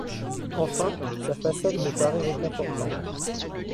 Enfin, sa façade me paraît réconfortante.